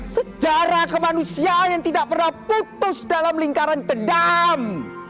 sejarah kemanusiaan yang tidak pernah putus dalam lingkaran dendam